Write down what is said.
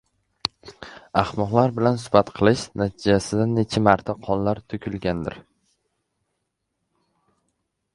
Ahmoqlar bilan suhbat qilish natijasida necha marta qonlar to‘kilgandir».